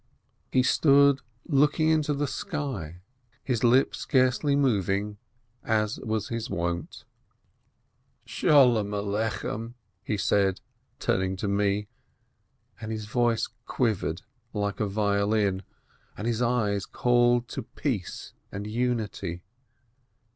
He stood looking into the sky, his lips scarcely moving, as was his wont. "Sholom Alechem I" he said, turning to me, and his voice quivered like a violin, and his eyes called to peace and unity.